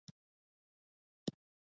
د پکتیا په ګرده څیړۍ کې د کرومایټ نښې شته.